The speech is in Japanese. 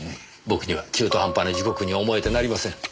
僕には中途半端な時刻に思えてなりません。